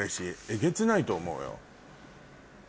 えげつないと思うよ。